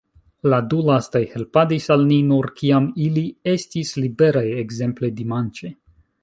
La du lastaj helpadis al ni nur kiam ili estis liberaj, ekzemple dimanĉe.